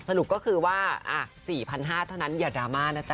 สรุปก็คือว่า๔๕๐๐เท่านั้นอย่าดราม่านะจ๊